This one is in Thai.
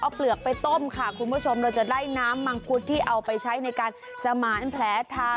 เอาเปลือกไปต้มค่ะคุณผู้ชมเราจะได้น้ำมังคุดที่เอาไปใช้ในการสมานแผลทา